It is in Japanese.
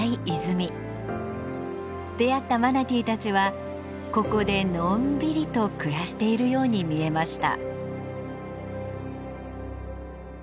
出会ったマナティーたちはここでのんびりと暮らしているように見えました。